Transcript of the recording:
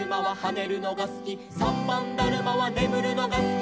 「さんばんだるまはねむるのがすき」